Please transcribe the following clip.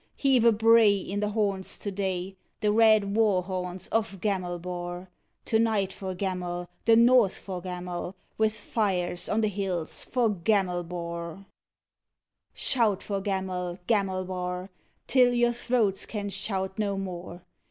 Heave a bray In the horns to day, The red war horns of Gamelbar! To night for Gamel, The North for Gamel, With fires on the hills for Gamelbar! Shout for Gamel, Gamelbar, Till your throats can shout no more!